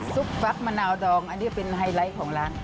ฟักมะนาวดองอันนี้เป็นไฮไลท์ของร้าน